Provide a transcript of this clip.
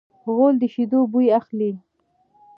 غول د شیدو بوی اخلي.